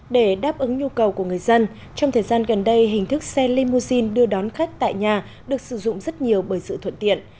để đáp ứng nhu cầu của người dân trong thời gian gần đây hình thức xe limousine đưa đón khách tại nhà được sử dụng rất nhiều bởi sự thuận tiện